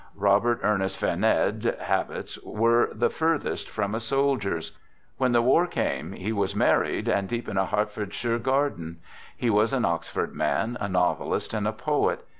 Robert Ernest Vernede's habits were the furthest from a soldier's. When the war came, he was mar ried and deep in a Hertfortshire garden. He was an Oxford man, a novelist and a poet.